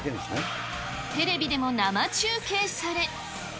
テレビでも生中継され。